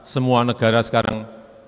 semua negara sekarang